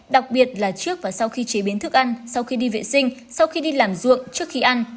đặc biệt là trước và sau khi chế biến thức ăn sau khi đi vệ sinh sau khi đi làm ruộng trước khi ăn